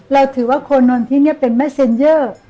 เราถือว่าโคนนทินี่เป็นเมสเซ็นเยอร์